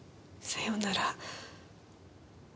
さようなら